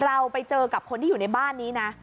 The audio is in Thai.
เราไปเจอกับคนที่อยู่ในบ้านนี้นะ